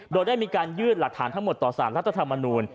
โดยได้มีการยืดหลักฐานทั้งหมดต่อสารรัฐธรรมนูล